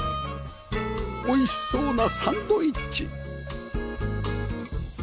おいしそうなサンドイッチ！